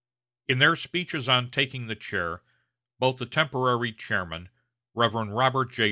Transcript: In their speeches on taking the chair, both the temporary chairman, Rev. Robert J.